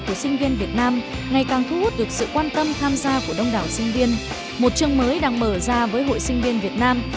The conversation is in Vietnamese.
hội sinh viên việt nam ngày càng thu hút được sự quan tâm tham gia của đông đảo sinh viên một trường mới đang mở ra với hội sinh viên việt nam